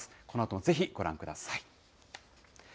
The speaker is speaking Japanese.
このあともぜひご覧ください。